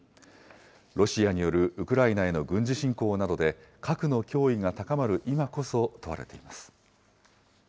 ロシアによるウクライナへの軍事侵攻などで、核の脅威が高まる今こそ問われています。